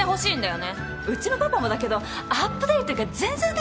うちのパパもだけどアップデートが全然できてない。